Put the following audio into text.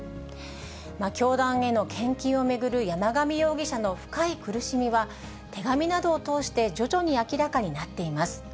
教団への献金を巡る山上容疑者の深い苦しみは、手紙などを通して徐々に明らかになっています。